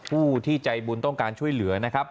ผู้ที่ใจบุญต้องการช่วยเหลือนะครับ